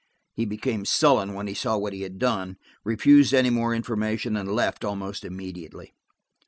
He became sullen when he saw what he had done, refused any more information, and left almost immediately.